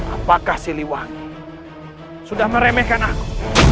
apakah siliwangi sudah meremehkan aku